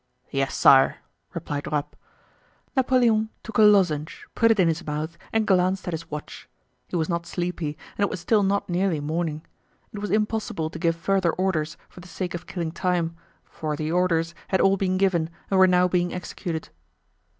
"Yes, sire," replied Rapp. Napoleon took a lozenge, put it in his mouth, and glanced at his watch. He was not sleepy and it was still not nearly morning. It was impossible to give further orders for the sake of killing time, for the orders had all been given and were now being executed.